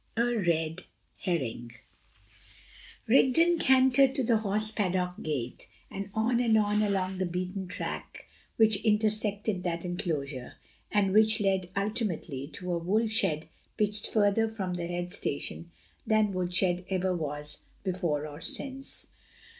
V A RED HERRING Rigden cantered to the horse paddock gate, and on and on along the beaten track which intersected that enclosure, and which led ultimately to a wool shed pitched further from the head station than wool shed ever was before or since.